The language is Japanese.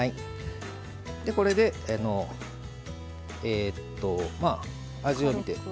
これで味を見て。